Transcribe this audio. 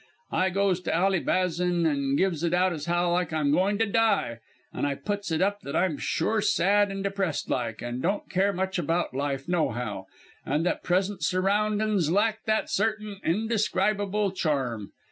I goes to Ally Bazan and gives it out as how I'm going for to die, an' I puts it up that I'm sure sad and depressed like; an' don't care much about life nohow; an' that present surroundin's lack that certain undescribable charm.